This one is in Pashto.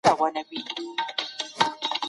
د افغانستان خلک ډیر مینه ناکه دي.